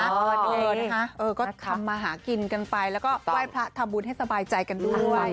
เออนะคะก็ทำมาหากินกันไปแล้วก็ไหว้พระทำบุญให้สบายใจกันด้วย